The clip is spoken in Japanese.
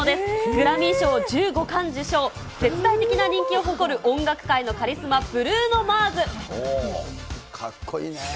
グラミー賞１５冠受賞、絶大的な人気を誇る音楽界のカリスマ、かっこいいね。